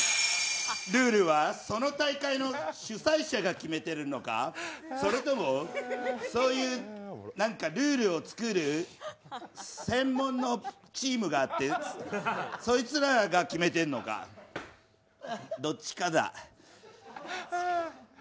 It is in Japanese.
ルールはその大会の主催者が決めてるのかそれとも、そういう何かルールを作る専門のチームがあってそいつらが決めてるのかどっちかだ。